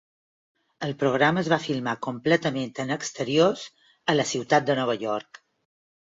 El programa es va filmar completament en exteriors a la ciutat de Nova York.